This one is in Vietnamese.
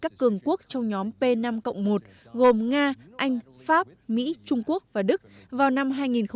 các cường quốc trong nhóm p năm một gồm nga anh pháp mỹ trung quốc và đức vào năm hai nghìn một mươi